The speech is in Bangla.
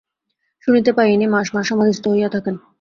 শুনিতে পাই, ইনি মাস মাস সমাধিস্থ হইয়া থাকেন।